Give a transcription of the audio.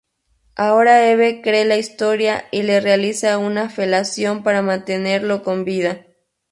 Ahora Eve cree la historia, y le realiza una felación para mantenerlo con vida.